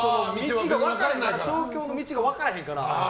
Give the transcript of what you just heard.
東京の道が分からへんから。